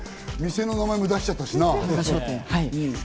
店の名前も出しちゃったしな。